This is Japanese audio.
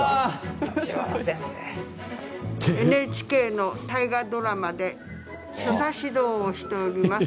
ＮＨＫの大河ドラマで所作指導をしております